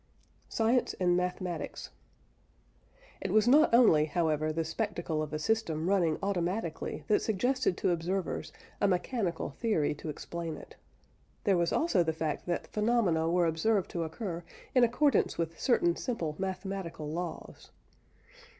SCIENCE AND MATHEMATICS. It was not only, however, the spectacle of a system running automatically that suggested to observers a mechanical theory to explain it. There was also the fact that phenomena were observed to occur in accordance with certain simple mathematical laws.